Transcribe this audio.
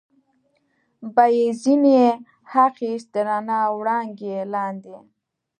به یې ځنې اخیست، د رڼا وړانګې لاندې.